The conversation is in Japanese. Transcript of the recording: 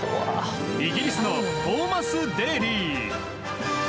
イギリスのトーマス・デーリー。